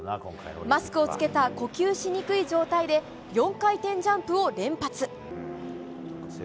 マスクを着けた呼吸しにくい状態で４回転ジャンプを連発。